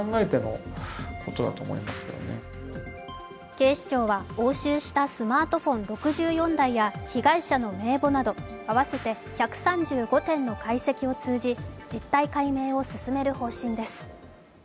警視庁は押収したスマートフォン６４台や被害者の名簿など合わせて１３５点の解析を通じ実態解明を進める方針です。